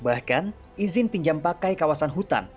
bahkan izin pinjam pakai kawasan hutan